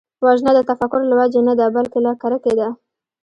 وژنه د تفکر له وجې نه ده، بلکې له کرکې ده